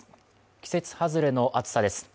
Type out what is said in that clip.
季節外れの暑さです。